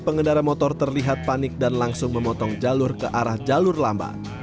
pengendara motor terlihat panik dan langsung memotong jalur ke arah jalur lambat